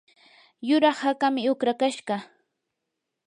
yuraq hakaami uqrakashqa.